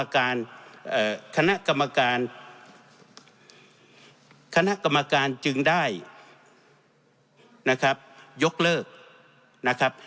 คณะกรรมการจึงได้นะครับยกเลิกนะครับ